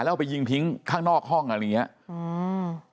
แล้วไปยิงพิงข้างนอกห้องอะไรอย่างนี้